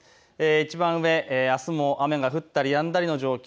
いちばん上あすも雨が降ったりやんだりの状況。